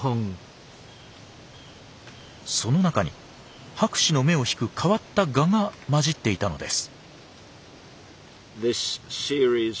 その中に博士の目を引く変わったガが交じっていたのです。